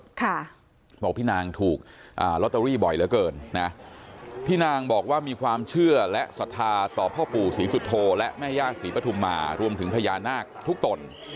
ค่ะบอกพี่นางถูกอ่าลอตเตอรี่บ่อยเหลือเกินนะพี่นางบอกว่ามีความเชื่อและศรัทธาต่อพ่อปู่ศรีสุโธและแม่ย่าศรีปฐุมมารวมถึงพญานาคทุกตน